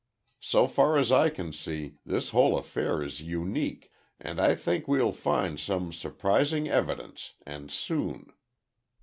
So far as I can see, this whole affair is unique, and I think we will find some surprising evidence and soon.